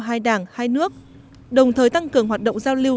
hai đảng hai nước đồng thời tăng cường hoạt động giao lưu